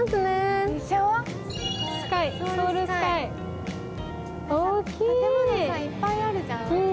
建物、いっぱいあるじゃん。